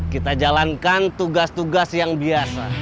kita jalankan tugas tugas yang biasa